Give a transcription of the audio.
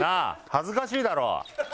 恥ずかしいだろ。